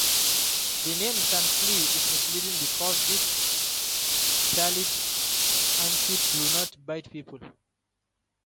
The name "sand flea" is misleading, because these talitrid amphipods do not bite people.